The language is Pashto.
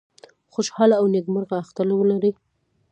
خوشاله او نیکمرغه اختر ولرئ